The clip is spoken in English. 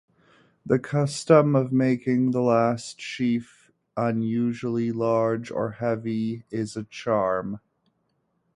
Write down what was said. The custom of making the last sheaf unusually large or heavy is a charm.